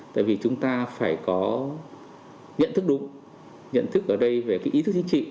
bởi vì chúng ta phải có nhận thức đúng nhận thức ở đây về ý thức chính trị